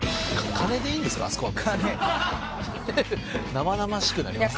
生々しくなりません？